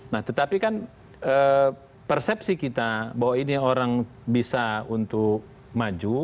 nah tetapi kan persepsi kita bahwa ini orang bisa untuk maju